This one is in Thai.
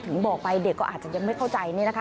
บอกไปเด็กก็อาจจะยังไม่เข้าใจนี่นะคะ